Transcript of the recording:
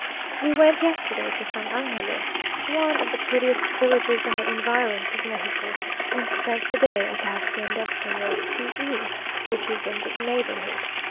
We went yesterday to San Angelo, one of the prettiest villages in the environs of Mexico, and spent the day at the hacienda of Señor T e, which is in the neighbourhood.